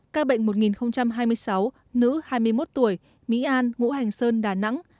ca bệnh một hai mươi sáu nữ hai mươi một tuổi mỹ an ngũ hành sơn đà nẵng